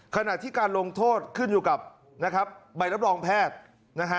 ขณะที่การลงโทษขึ้นอยู่กับใบรับรองแพทย์